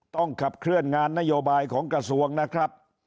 ต้องขับเคลื่อนงานนโยบายของกระทรวงนะครับ